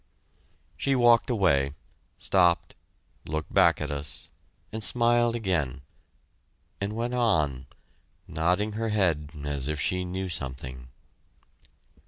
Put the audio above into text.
She walked away stopped looked back at us and smiled again, and went on, nodding her head as if she knew something.